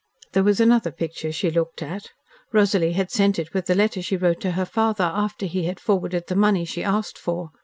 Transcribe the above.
There was another picture she looked at. Rosalie had sent it with the letter she wrote to her father after he had forwarded the money she asked for.